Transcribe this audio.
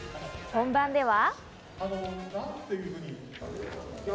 本番では。